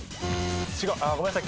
ごめんなさい。